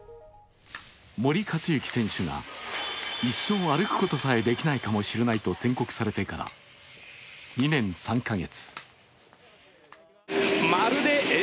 森且行選手が一生歩くことができないかもしれないと宣告されてから２年３か月。